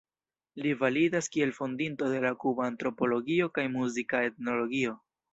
Li validas kiel fondinto de la kuba antropologio kaj muzika etnologio.